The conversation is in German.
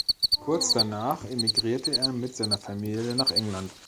Kurz danach emigrierte er mit seiner Familie nach England.